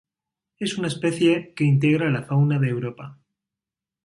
Es una especie que integra la fauna de Europa.